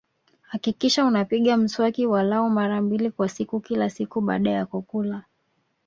Hakikisha unapiga mswaki walau mara mbili kwa siku kila siku baada ya kula